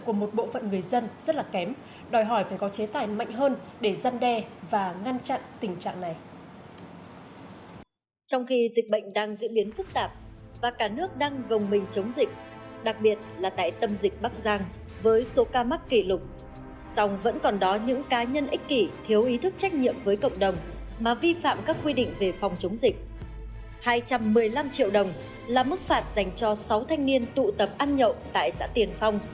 của một bộ phận người dân rất là kém đòi hỏi phải có chế tài mạnh hơn